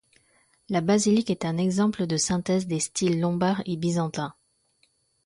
La basilique est un exemple de synthèse des styles lombard et byzantin.